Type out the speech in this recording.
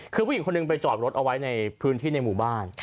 คือผู้หญิงคนหนึ่งไปจอดรถเอาไว้ในพื้นที่ในหมู่บ้าน